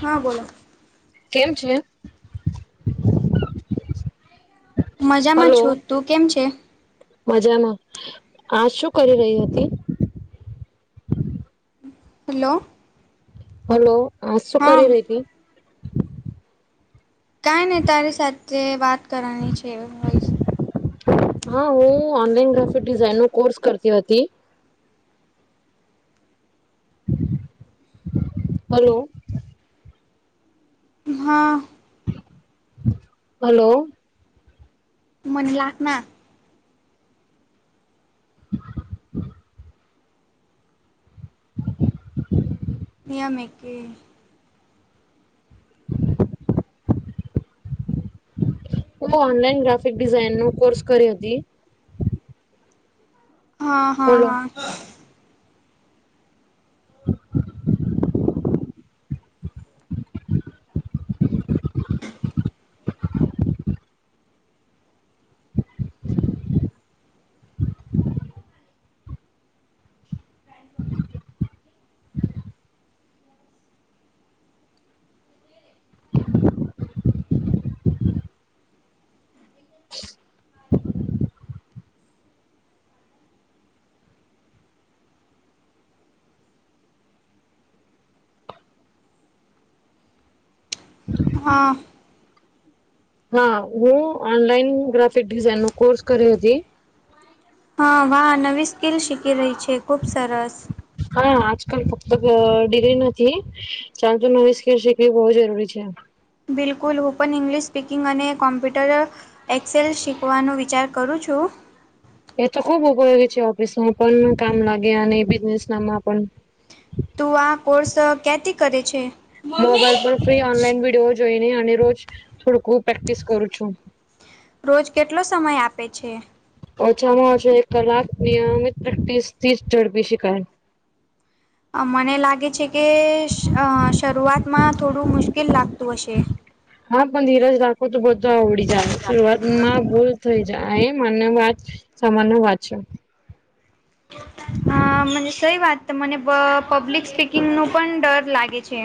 હા, બોલો. કેમ છે? મજામાં હલો છુ. તું કેમ છે? મજામાં, આ શું કરી રહી હતી? હલો. હલો! હા, શું કરી રહી હતી? કંઈ ની, તારી સાથે વાત કરવાની છે, હોય હા, હું ઓનલાઈન ગ્રાફિક ડિઝાઇન નો કોર્સ કરતી હતી. હલો. હા. હલો. મને લખ ના. નિયમ એક. હું ઓનલાઈન ગ્રાફિક ડિઝાઇનનો કોર્સ કરી હતી. હા, હા, હલો હા. હ. હા. હા હું ઓનલાઈન ગ્રાફિક ડિઝઇન નો કોર્સ કર્યો હતી. હા વાહ નવી સ્કીલ શીખી રહી છે ખુબ સરસ. હા આજકાલ ફક્ત ડિગ્રી નથી. ચાલ, તો નવી સ્કીલ શીખવી બહુ જરૂરી છે. બિલકુલ, ઓપન ઇંગ્લિશ સ્પીકિંગ અને કોમ્પ્યુટર. એક્સેલ શીખવાનો વિચાર કરું છું. એ તો ખુબ ઉપયોગી છે. ઓફિસ માં પણ કામ લાગે અને બિઝનેસ નામાં પણ તું આ કોર્સ કીયાતી કરે છે? મોબાઈલ મમ્મી પર ફ્રી ઓનલાઈન વિડીયો જોઈને અને રોજ થોડુંકું પ્રેક્ટિસ કરું છું. રોજ કેટલો સમય આપે છે. ઓછામાં ઓછા એક કલાક નિયમિત પ્રેક્ટિસ થી ઝડપી શખાય. મને લાગે છે કે શરૂઆતમાં થોડું મુશ્કેલ લાગતું હશે. હા પણ ધીરજ રાખો તો બધું આવડી જાય શરૂઆતમાં બ. થઈ જાય એ માન વાત સામાનની વાત છે. અ મને સઈ વાત મને બ પબ્લિક સ્પીકિંગનો પણ ડર લાગે છે.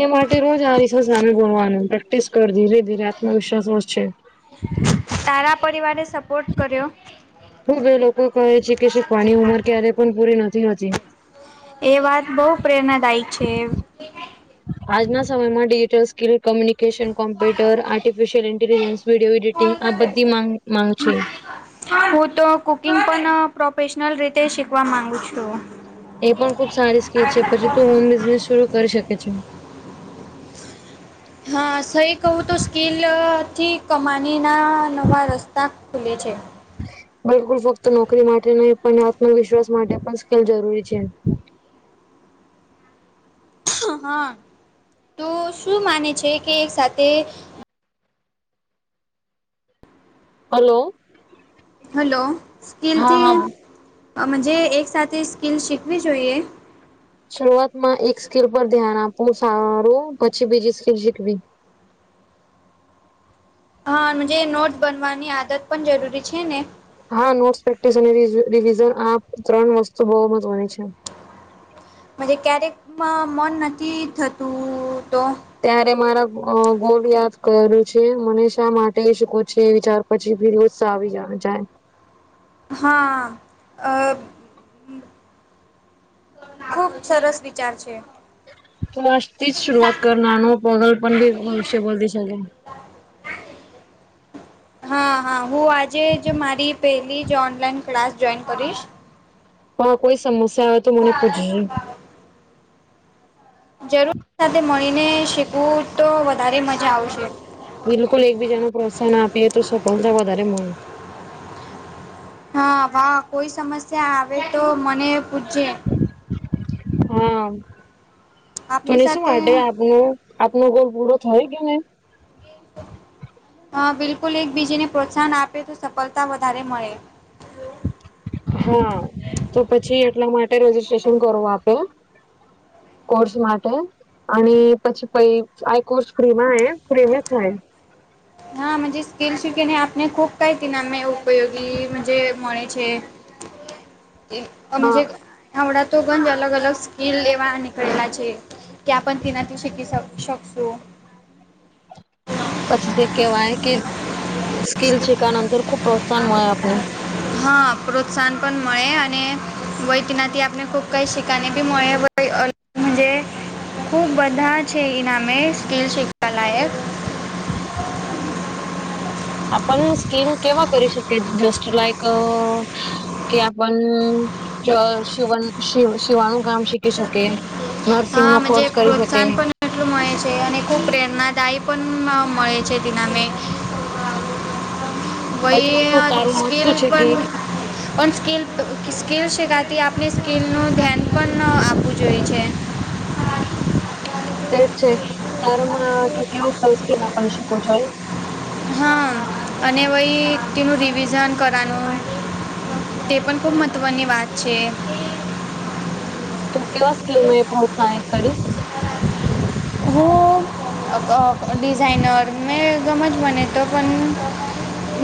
એ માટે રોજ આારી છે સામે ગણવાનું પ્રેક્ટિસ કર ધીરે ધીરે આત્મવિશ્વાસ વ છે. તારા પરિવારને સપોર્ટ કર્યો. હું બે લોકો કહે છે કે શ પાણી ઉંમર ક્યારે પણ પૂરી નથી હોતી. એ વાત બહુ પ્રેરણાદાયક છે. આજના સમયમાં digital skill communication computer artificial intelligence video editing આબધી ગ માંગ માંગ છે. હું તો કુકિંગ પણ પ્રોફેશનલ રીતે શીખવા માંગુ છું. એ પણ ખુબ સારી સ્કીલ છે પછી તું હોન બિઝનેસ શરૂ કરી શકે છે. હા સહી કહું તો સ્કીલથી કમાનીના નવા રસ્તા. ખૂલે છે. બિલકુલ ફક્ત નોકરી માટે નહી પણ આત્મવિશ્વાસ માટે પણ સ્કેલ જરૂરી છે. હા તો શું માને છે કે એક સાથે. હલો. હલો હા હા સ્કિલથીજ એક સાથે સ્કિલ શીખવી જોઈએ. શરૂઆતમાં એક સ્કીિલ પર ધ્યાન આપવું સારું પછી બીજી સ્કીલ શીખવી. હા નોટ બનવાની આદત પણ જરૂરી છે ને. હા નોટ્સ પ્રેક્ટિસ અને રિવિઝન આ ત્રણ વસ્તુ બહુ મહત્વની છે. મજ ક્યારેક મન નથી થતું તો ત્યારે મારા ગોલ યાદ કરેલું છે મને શા માટે શકો છે ચાર પછી ફી ઉત્સાહ આવીજ જાય. હા અ. ખુબ સરસ વિચાર છે. તો મસ્તી જ શરઆત કરનાનો પગલ પણ બી ભવિષ્ય બદ સલે. હા હા હું આજે જ મારી પેલીજ ઓનલાઈન ક્લાસ જોઈન કરીશ. હ કોઈ સમસ્યા હોય તો મને પૂછજે જરૂર સાથે મળીને શીખવું તો વધારે મજા આવશે. બિલકુલ એકબીજા નું પ્રોત્સાહન આપીએ તો સફળતા વધારે મળે. હા ભા કોઈ સમસ્યા આવે તો મને પૂછે. હા આપની તને શું સાથે અટે આબૂ. આપનો ગોલ પૂરો થાય કે નહી. હ બિલકુલ એકબીજને પ્રોત્સાહન આપે તો સફળતા વધારે મળે. હા તો પછી એટલા માટે રજીિસ્ટ્રેશન કરવું આપે. કોર્સ માટે અને પછી પય આઈ કોર્સ પ્રેમા હ ફ્રી માં થાય હા મે જે સ્કીલ શીખેને આપને ખુબ કઈકના અમે ઉપયોગી મંજે મળે છે. અમ હા જે આવડા તો ગંજ અલગ-અલગ સ્કીલ લેવા નીકળેલા છે. કે આપ પણ તનાથી શકી શ શકશો. પછી તે કેહેવાય કે સ્કીલ છેખ અંતર ખુબ પ્રોત્સાહન મળે આપને. હા પ્રોત્સાહન પણ મળે અને. વયકીનાથી આપને ખૂબ કઈ શિકણી બી મળે [unintelligible] ખુ બધા છે ઈનામે સ્કેલ શીવા લાયક. આપણ સ્કીલ કેવા કરી શકીએ જસ્ટ લાઈક અ કે આપણ જ શિવન શી શિવાણું કામ શીખી શકે. નર્સિંગનો કોર્સ કરી શકે. એટલું મળે છે અને ખૂબ પ્રેરણાદાયી પણ મ મળે છે તેનામે. પછી શું વય તારું મત સ્કીલ શું છે પણ ઘી? પણ સ્કીલ સ્કીલ શીખાથી આપણે સ્કીલનું ધ્યાન પણ આપવું જોઈએ છે. તેજ છે તારું [unintelligible] કેવું સક્લિ આપવી શકું જોઈએ? હા અને વય તેનું રિવિઝન કરાનું. તે પણ ખૂબ મહત્વની વાત છે. કેટલા સ્લોમે મેં ભવતાસ કરીશ. હો અ ડિઝાઇનર મેં સમજ મને તો પન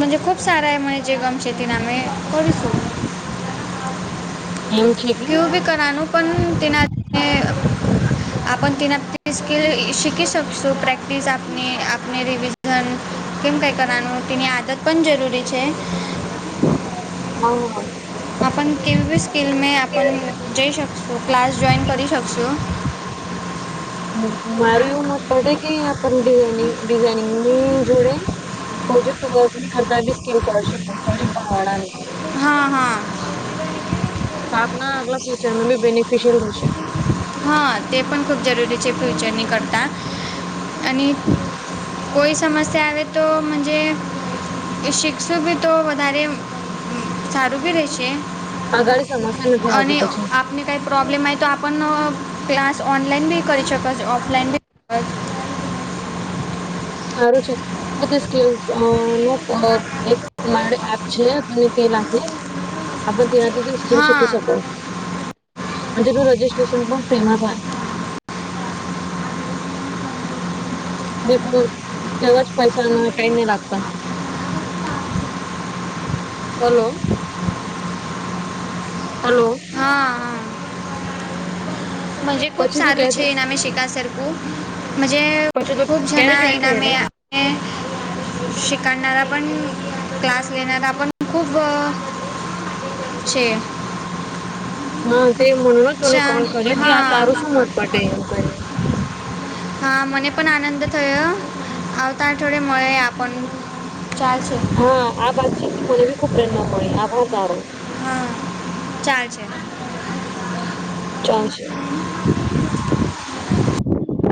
મજે ખૂબ સારા એ મને જે ગમશે તેના મે કરીશું. એવું છે એમ. કરાનું પણ તેના મેં આપણ તેનાથી સ્કીલ શીખી શકશુ પ્રેકટિસ આપની રિવીઝન ઝન કેમ કઈ કરાનું તેની આદત પણ જરૂરી છે. હ. આપન કેવી સ્કીલ મેં આપન જઈ શકશું, ક્લાસ જોઈન કરી શકશું. મારું એવું મત પડે કે આપન ડિઝાઇનિંગની જોડે પ્રોજેક્ટ વની કરતા બી સ્કિલર કરશે પ્રોજેક્ટ બનાવણ. હા હા તો આપના અગલા ફ્યુચર મે બી બેનિફિશિયલ હશે. હા તે પણ ખૂબ જરૂરી છે ફ્યુચરની કરતાં. અને કોઈ સમસ્યા આવે તો મંજે શીખશું બી તો વધારે સારું બી રેહશે. અગાળી સમસ્યા નથી આવતી પછી. ને કાઈ પ્રોબ્લેમ આઈ તો આપનો ક્લાસ ઓનલાઈન બી કરી શકે છે ઓફલાઈન બી સારું છે. હું તો સ્કીલ્સ અ નું પ અ એક મારે એપ છે મને તે લખીશ. આપન તેનાથી પન સ્કિલ શીખી શકો અને તેનું રજિસ્ટ્રેશન પણ ફ્રીમાં થાય. દે કોણ તેવા જ પૈસાના કાઈ નહીં લાગતાં. હલો. હલો. મંજે ખૂબ પછી તું સારું છે ક્યાથી ઈનામે શિખા સરખું મજે પછી તું ખૂબ ક્યારે જણા જોઈન થઈ ઈનામે રે શિખાનારા પણ ક્લાસ લેનારા પણ ખૂબ છે. હા તે મનો નો તુંને અચ્છા કોલ કરે કે આ તારું હા શું મત પડે એમ કરીને હા મને પણ આનંદ થયો આવતા અઠવાડિયે મળે આપણ. ચાલશે હા આ વાતચીતથી મને બી ખૂબ પ્રેરણા મળી આભાર તારો. હા ચાલ છે. ચાન્સ.